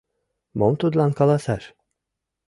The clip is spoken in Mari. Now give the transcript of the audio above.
Мом тудлан каласаш?